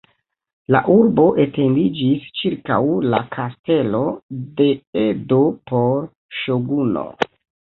La urbo etendiĝis ĉirkaŭ la kastelo de Edo por ŝoguno.